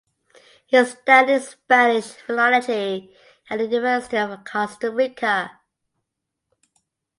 He studied Spanish philology at the University of Costa Rica.